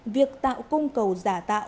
việc tạo cung cầu giả tạo